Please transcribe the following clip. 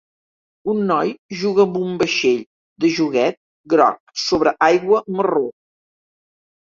Un noi juga amb un vaixell de joguet groc sobre aigua marró.